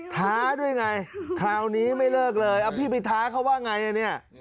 ท้าด้วยไงคราวนี้ไม่เลิกเลยเอาพี่ไปท้าเขาว่าไงเนี่ย